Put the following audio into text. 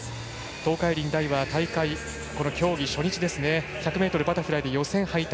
東海林大は大会、競技初日ですね１００ｍバタフライで予選敗退。